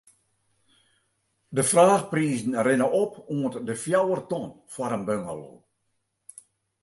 De fraachprizen rinne op oant de fjouwer ton foar in bungalow.